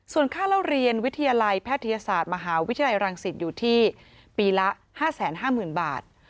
ส่วนค่าเล่าเรียนวิทยาลัยแพทยศาสตร์มหาวิทยาลัยรังสิตอยู่ที่ปีละ๕๕๐๐๐บาท